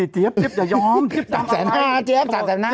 เจ๊แอปสามารถ